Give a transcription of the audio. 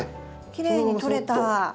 きれいに取れた。